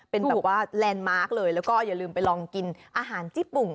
เป็นแบบว่าแลนด์มาร์คเลยแล้วก็อย่าลืมไปลองกินอาหารญี่ปุ่น